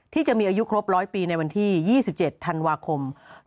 ที่จะมีอายุครบ๑๐๐ปีในวันที่๒๗ธันวาคม๒๕๖